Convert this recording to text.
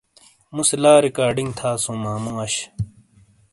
مُوسے لاریکارڈنگ تھاسُوں ماموں اش۔